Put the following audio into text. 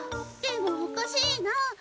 でもおかしいな。